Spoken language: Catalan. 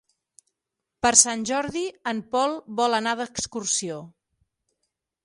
Per Sant Jordi en Pol vol anar d'excursió.